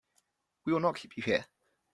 We will not keep you here.